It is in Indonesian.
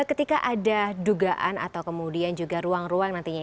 ketika ada dugaan atau kemudian juga ruang ruang nanti juga ya